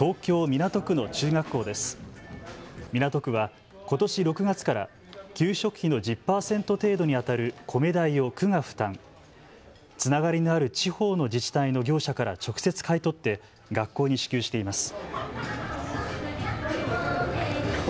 港区はことし６月から給食費の１０％程度にあたる米代を区が負担、つながりのある地方の自治体の業者から直接買い取って学校に支給しています。